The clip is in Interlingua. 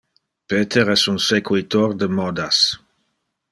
Peter es un sequitor de modas.